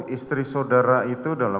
istri saudara itu